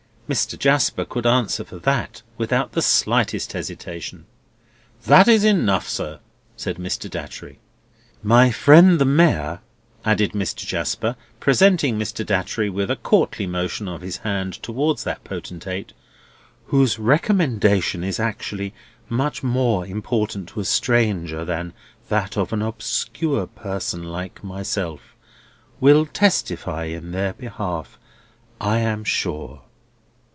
Mr. Jasper could answer for that without the slightest hesitation. "That is enough, sir," said Mr. Datchery. "My friend the Mayor," added Mr. Jasper, presenting Mr. Datchery with a courtly motion of his hand towards that potentate; "whose recommendation is actually much more important to a stranger than that of an obscure person like myself, will testify in their behalf, I am sure."